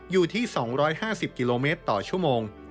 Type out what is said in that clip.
อยู่ที่๒๕๐กิโลเมตรต่อชั่วโมง